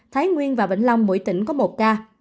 thái nguyên và vĩnh long mỗi tỉnh có một ca